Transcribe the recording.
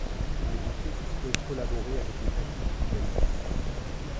Il est de ceux qui souhaitent collaborer avec les fascistes britanniques.